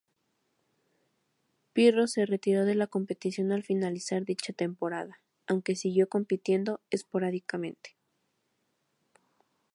Pirro se retiró de la competición al finalizar dicha temporada, aunque siguió compitiendo esporádicamente.